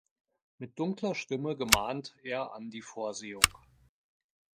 Mit dunkler Stimme gemahnt er an die Vorsehung.